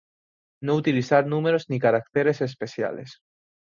no utilizar números ni caracteres especiales